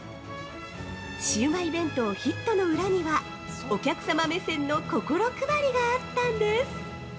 シウマイ弁当ヒットの裏には、お客様目線の心配りがあったんです。